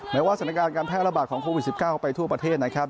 แสนการการแพทย์ระบาดของโควิดสิบเก้าไปทั่วประเทศนะครับ